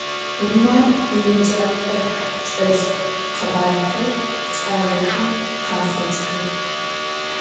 Vumare yiêcap'e çç'elh khebarxer ç'alexem khafêtxı.